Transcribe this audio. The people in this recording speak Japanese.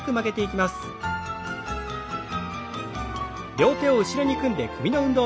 両手を後ろに組んで首の運動。